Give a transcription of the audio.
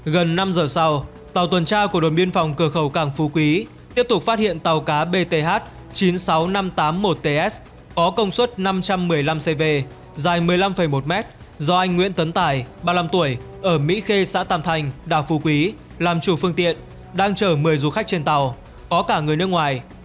gần năm giờ sau tàu tuần tra của đồn biên phòng cửa khẩu cảng phú quý tiếp tục phát hiện tàu cá bth chín mươi sáu nghìn năm trăm tám mươi một ts có công suất năm trăm một mươi năm cv dài một mươi năm một m do anh nguyễn tấn tài ba mươi năm tuổi ở mỹ khê xã tàm thành đảo phú quý làm chủ phương tiện đang chở một mươi du khách trên tàu có cả người nước ngoài